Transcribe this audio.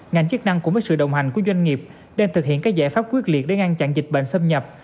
ngành chức năng cùng với sự đồng hành của doanh nghiệp đang thực hiện các giải pháp quyết liệt để ngăn chặn dịch bệnh xâm nhập